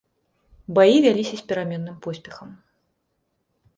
Баі вяліся з пераменным поспехам.